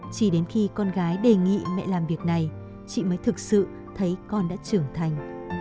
chỉ đến khi con gái đề nghị mẹ làm việc này chị mới thực sự thấy con đã trưởng thành